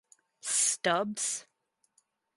Stubbs.